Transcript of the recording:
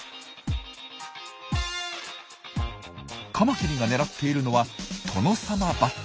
カマキリが狙っているのはトノサマバッタ。